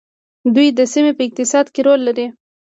دوی د سیمې په اقتصاد کې رول لري.